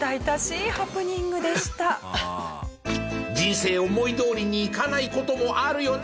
人生思いどおりにいかない事もあるよね。